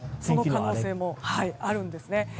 その可能性もあるんですね。